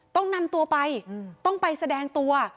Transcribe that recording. ต้องนำตัวไปต้องไปแสดงตัว